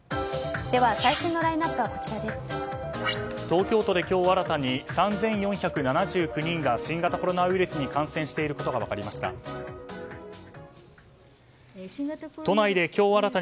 東京都で今日新たに３４７９人が新型コロナウイルスに感染していることが分かりました。